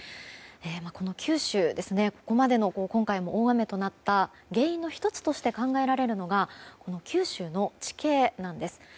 この九州、ここまで今回の大雨となった原因の１つとして考えられるのが九州の地形なんです。